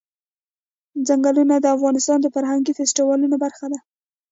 ځنګلونه د افغانستان د فرهنګي فستیوالونو برخه ده.